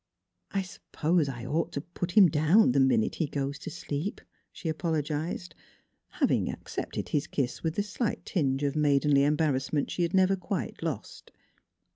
" I suppose I ought to put him down the minute he goes to sleep," she apologized having ac cepted his kiss with the slight tinge of maidenly embarrassment she had never quite lost.